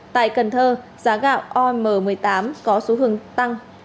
tại cần thơ giá gạo om một mươi tám có số hương tăng